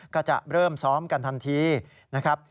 ก็จะเริ่มซ้อมกันทันทีนะครับ